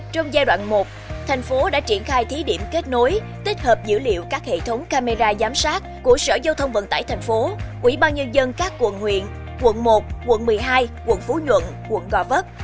trong giai đoạn một thành phố đã triển khai thí điểm kết nối tích hợp dữ liệu các hệ thống camera giám sát của sở giao thông vận tải thành phố ủy ban nhân dân các quận huyện quận một quận một mươi hai quận phú nhuận quận gò vấp